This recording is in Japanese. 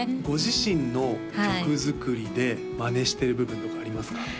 ご自身の曲作りでマネしてる部分とかありますか？